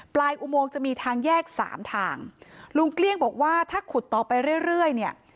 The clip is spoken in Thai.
อุโมงจะมีทางแยกสามทางลุงเกลี้ยงบอกว่าถ้าขุดต่อไปเรื่อยเรื่อยเนี่ย